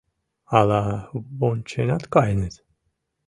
Ала вонченат каеныт?»